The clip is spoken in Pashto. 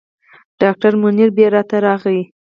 ډاکټر منیربې راته راغی.